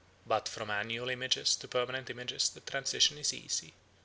But from annual images to permanent images the transition is easy.